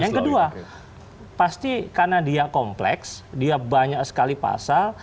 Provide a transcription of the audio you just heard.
yang kedua pasti karena dia kompleks dia banyak sekali pasal